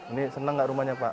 ini senang gak rumahnya pak